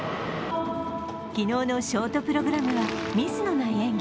昨日のショートプログラムはミスのない演技。